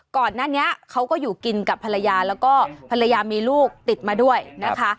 ก่อนหน้านี้เขาก็อยู่กินกับภรรยาแล้วก็ภรรยามีลูกติดมาด้วยนะคะ